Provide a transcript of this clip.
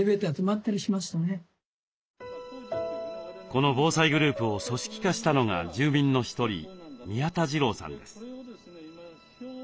この防災グループを組織化したのが住民の一人宮田次朗さんです。